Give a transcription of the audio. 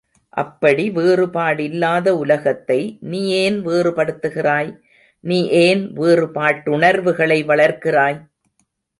அப்படி வேறுபாடில்லாத, உலகத்தை நீ ஏன் வேறுபடுத்துகிறாய்? நீ ஏன் வேறு பாட்டுணர்வுகளை வளர்க்கிறாய்?